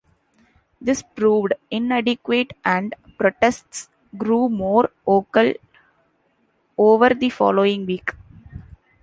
This proved inadequate and protests grew more vocal over the following week.